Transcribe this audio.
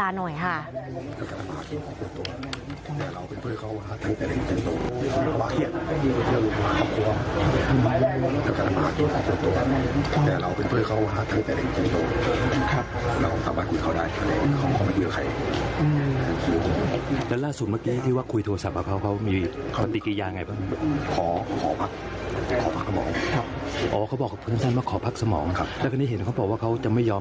บาร์สหรือว่าบาร์สพร้อมจะมอบตัวแต่ขอเวลาหน่อยค่ะ